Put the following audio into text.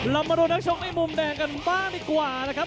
เรามาเล่นดังตัวในมุมแดงกันมากดีกว่านะครับ